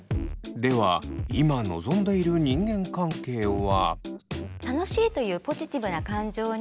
では今望んでいる人間関係は。